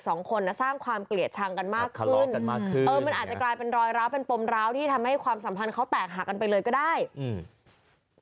สองคนน่ะสร้างความเกลียดชังกันมากขึ้นกันมากขึ้นเออมันอาจจะกลายเป็นรอยร้าวเป็นปมร้าวที่ทำให้ความสัมพันธ์เขาแตกหักกันไปเลยก็ได้อืม